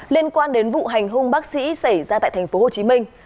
liên quan đến vụ hành hung bác sĩ xảy ra tại thành phố hồ chí minh